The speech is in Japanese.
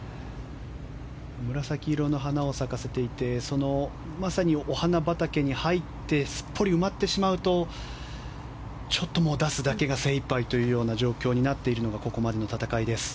紫色の花を咲かせていてまさにお花畑に入ってすっぽり埋まってしまうとちょっともう出すだけが精いっぱいの状況になっているのがここまでの戦いです。